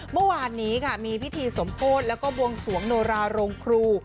เมื่อวานนี้ค่ะมีพิธีสมโพธิแล้วก็บวงสวงโนราโรงครู